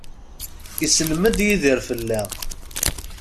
Isellem-d Yidir fell-aɣ.